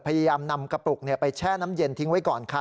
พยายามนำกระปุกไปแช่น้ำเย็นทิ้งไว้ก่อนค่ะ